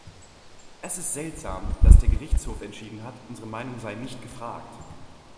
Es ist seltsam, dass der Gerichtshof entschieden hat, unsere Meinung sei nicht gefragt.